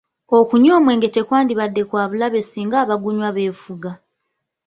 Okunywa omwenge tekwalibadde kwa bulabe singa abagunywa beefuga.